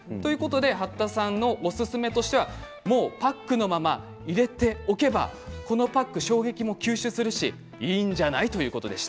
八田さんのおすすめとしてはパックのまま入れておけばこのパック衝撃も吸収するしいいんじゃないということでした。